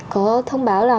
có thông báo là